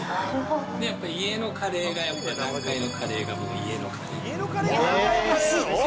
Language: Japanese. やっぱり家のカレーが南海のカレーが家のカレー。